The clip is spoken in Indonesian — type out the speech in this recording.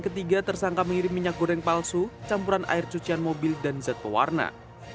ketiga tersangka mengirim minyak goreng palsu campuran air cucian mobil dan zat pewarna